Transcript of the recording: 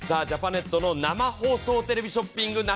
ジャパネットの生放送テレビショッピング